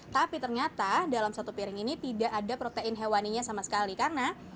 tapi ternyata dalam satu piring ini tidak ada protein hewaninya sama sekali karena